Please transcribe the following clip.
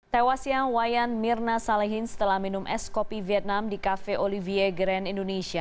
tewas yang wayan mirna salehin setelah minum es kopi vietnam di cafe olivier grand indonesia